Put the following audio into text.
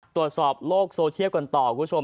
ตรวจสอบโลกโซเชียลกันต่อคุณผู้ชม